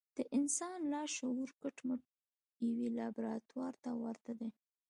د انسان لاشعور کټ مټ يوې لابراتوار ته ورته دی.